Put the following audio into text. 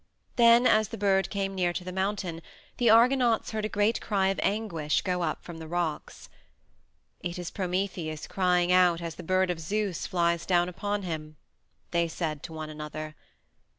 Then, as the bird came near to the mountain, the Argonauts heard a great cry of anguish go up from the rocks. "It is Prometheus crying out as the bird of Zeus flies down upon him," they said to one another.